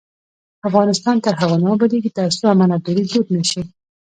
افغانستان تر هغو نه ابادیږي، ترڅو امانتداري دود نشي.